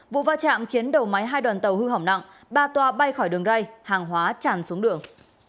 vụ va chạm khiến đầu máy hai đoàn tàu hư hỏng nặng ba tòa bay khỏi đường ray hàng hóa chàn xuống đường